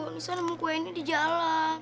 nisa nemu kue ini di jalan